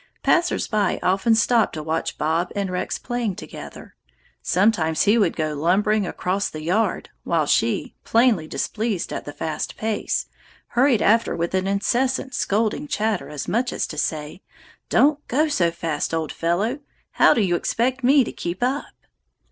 "Passers by often stopped to watch Bob and Rex playing together. Sometimes he would go lumbering across the yard while she, plainly displeased at the fast pace, hurried after with an incessant scolding chatter as much as to say: 'Don't go so fast, old fellow. How do you expect me to keep up?'